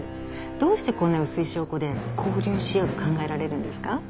どうしてこんな薄い証拠で勾留しようと考えられるんですか？